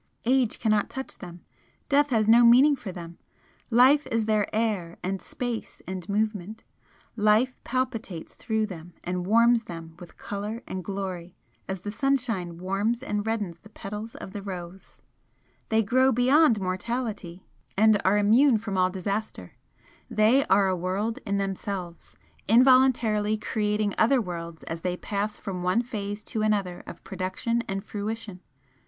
Age cannot touch them death has no meaning for them, life is their air and space and movement life palpitates through them and warms them with colour and glory as the sunshine warms and reddens the petals of the rose they grow beyond mortality and are immune from all disaster they are a world in themselves, involuntarily creating other worlds as they pass from one phase to another of production and fruition.